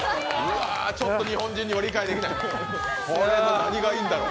ちょっと日本人には理解できない、何がいいんだろ。